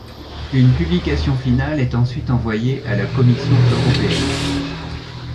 Une publication finale est ensuite envoyée à la Commission Européenne.